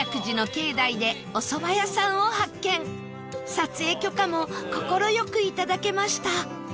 撮影許可も快く頂けました